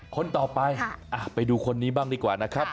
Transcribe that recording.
คนต่อไปไปดูคนนี้บ้างดีกว่านะครับ